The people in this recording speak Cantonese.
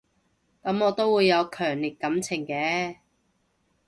噉我都會有強烈感情嘅